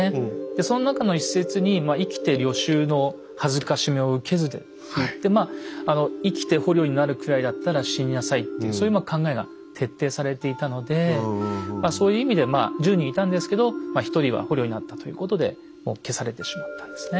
その中の一節に「生きて虜囚の辱めを受けず」といって生きて捕虜になるくらいだったら死になさいっていうそういうまあ考えが徹底されていたのでそういう意味で１０人いたんですけど１人は捕虜になったということで消されてしまったんですね。